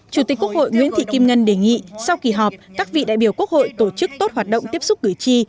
chủ tịch quốc hội nguyễn thị kim ngân đề nghị sau kỳ họp các vị đại biểu quốc hội tổ chức tốt hoạt động tiếp xúc cử tri